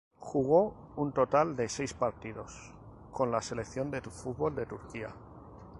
Jugó un total de seis partidos con la selección de fútbol de Turquía.